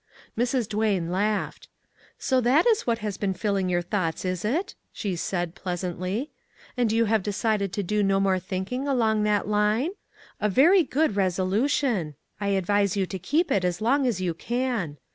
Mrs. Duane laughed. " So that is what has been filling your thoughts, is it?" she said, pleasantly, " and you have decided to do no more thinking along that line? A very good resolution; I advise you to keep it as long as you can.